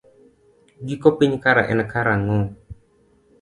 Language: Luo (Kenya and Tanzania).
Giko piny kare en karang'o?